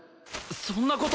そんな事！